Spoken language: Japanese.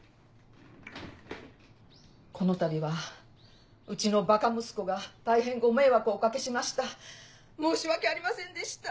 このたびはうちのバカ息子が大変ご迷惑をお掛けしました申し訳ありませんでした。